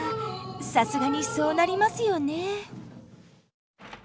さすがにそうなりますよね。